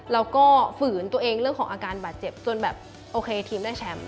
แล้วก็ฝืนตัวเองเรื่องของอาการบาดเจ็บจนแบบโอเคทีมได้แชมป์